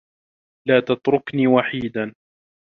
لا تتركني وحيدا.